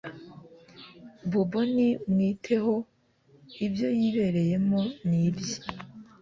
bobo ni mwiteho ibyo yibereyemo nibye